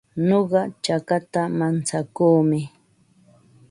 Nuqa chakata mantsakuumi.